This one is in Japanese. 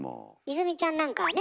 泉ちゃんなんかはね。